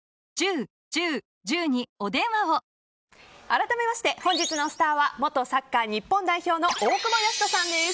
改めまして本日のスターは元サッカー日本代表の大久保嘉人さんです。